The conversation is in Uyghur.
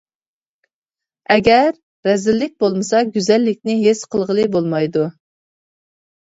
ئەگەر رەزىللىك بولمىسا گۈزەللىكنى ھېس قىلغىلى بولمايدۇ.